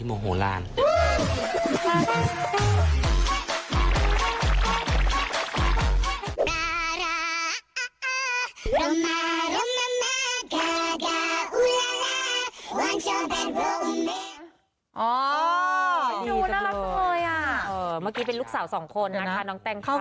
เออเมื่อกี้เป็นลูกสาว๒คนนะคะน้องต้านไทย